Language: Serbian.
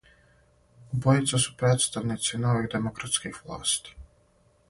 Обојица су представници нових демократских власти.